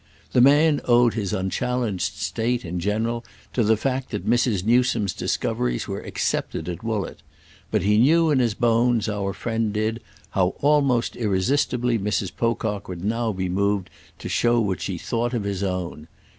The man owed his unchallenged state, in general, to the fact that Mrs. Newsome's discoveries were accepted at Woollett; but he knew in his bones, our friend did, how almost irresistibly Mrs. Pocock would now be moved to show what she thought of his own.